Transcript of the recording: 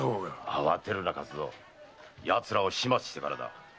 慌てるな奴らを始末してからだ。